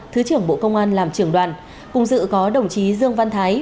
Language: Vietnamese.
thứ trưởng bộ công an làm trưởng đoàn cùng dự có đồng chí dương văn thái